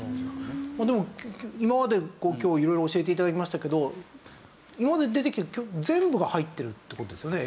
でも今まで今日色々教えて頂きましたけど今まで出てきた全部が入ってるって事ですよね？